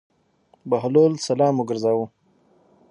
بهلول سلام وګرځاوه.